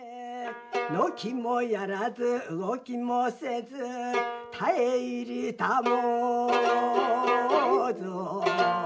のきもやらず動きもせず絶え入りたもうぞ